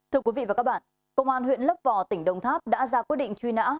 thưa quý vị và các bạn công an huyện lấp vò tỉnh đồng tháp đã ra quyết định truy nã